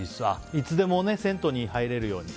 いつでも銭湯に入れるように。